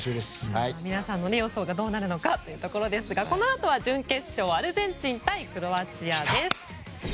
皆さんの予想がどうなるのかというところですがこのあとは準決勝アルゼンチン対クロアチアです。